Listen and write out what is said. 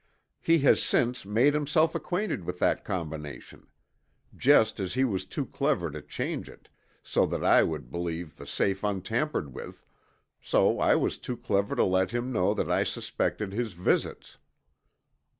He has since made himself acquainted with that combination. Just as he was too clever to change it so that I would believe the safe untampered with, so was I too clever to let him know that I suspected his visits."